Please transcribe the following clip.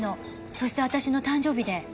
そして私の誕生日で。